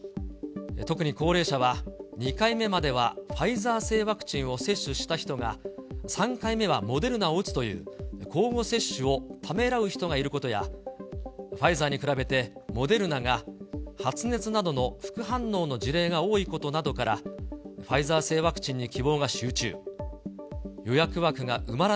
特に高齢者は、２回目まではファイザー製ワクチンを接種した人が、３回目はモデルナを打つという交互接種をためらう人がいる人や、ファイザーに比べてモデルナが、発熱などの副反応の事例が多いことなどからファイザー製ワクチン